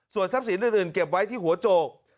ส่วนทรัพย์สินอื่นเก็บไว้ที่หัวโจก